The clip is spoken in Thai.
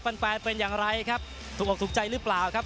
แฟนแฟนเป็นอย่างไรครับถูกออกถูกใจหรือเปล่าครับ